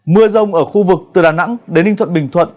mưa rông ở khu vực từ đà nẵng đến ninh thuận bình thuận